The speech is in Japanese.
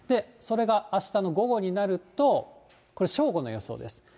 それがあしたの午後になると、これ、正午の予想です。